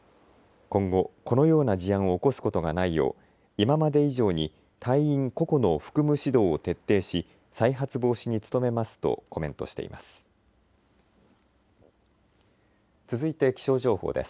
今後このような事案を起こすことがないよう今まで以上に隊員個々の服務指導を徹底し再発防止に努めますとコメントしています。